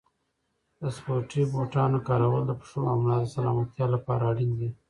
د سپورتي بوټانو کارول د پښو او ملا د سلامتیا لپاره اړین دي.